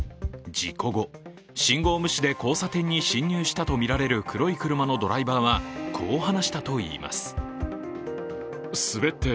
事故後、信号無視で交差点に進入したとみられる黒い車のドライバーは、こう話したといいます。